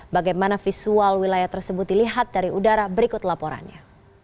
bagaimana visual wilayah tersebut dilihat dari udara berikut laporannya